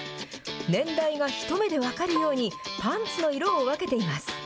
年代が一目で分かるようにパンツの色を分けています。